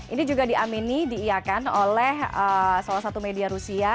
ini juga diamini diiakan oleh salah satu media rusia